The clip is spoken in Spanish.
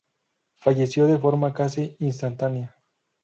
Falleció de forma casi instantánea.